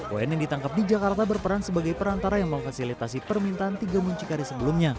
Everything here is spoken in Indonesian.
un yang ditangkap di jakarta berperan sebagai perantara yang memfasilitasi permintaan tiga muncikari sebelumnya